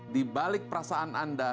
di balik prasaranya